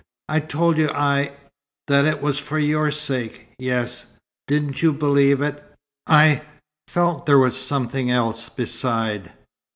"I told you I that it was for your sake." "Yes." "Didn't you believe it?" "I felt there was something else, beside."